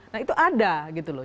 nah itu ada gitu loh